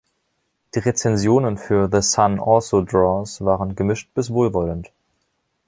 Die Rezensionen für "The Son Also Draws" waren gemischt bis wohlwollend.